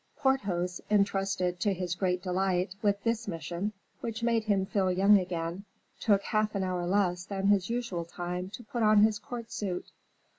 Porthos, intrusted, to his great delight, with this mission, which made him feel young again, took half an hour less than his usual time to put on his court suit.